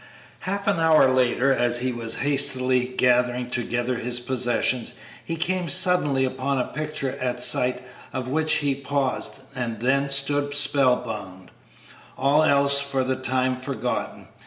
Half an hour later, as he was hastily gathering together his possessions, he came suddenly upon a picture, at sight of which he paused, then stood spellbound, all else for the time forgotten.